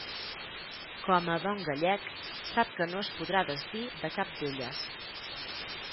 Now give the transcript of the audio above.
Com a bon gallec, sap que no es podrà desdir de cap d’elles.